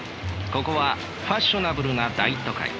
ここはファッショナブルな大都会。